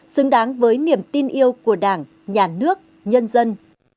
xứng đáng với niềm tin yêu của đảng nhà nước nhân dân